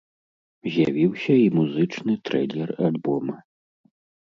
З'явіўся і музычны трэйлер альбома.